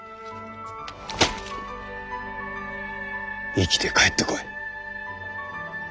生きて帰ってこい！